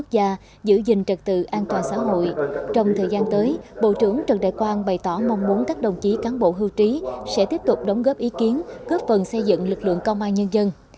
đại tướng trần đại quang bày tỏ mong muốn các đồng chí cán bộ hưu trí sẽ tiếp tục đóng góp ý kiến góp phần xây dựng lực lượng công an nhân dân